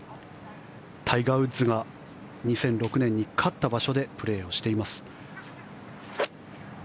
タイガー・ウッズが２００６年に勝った場所でプレーしています。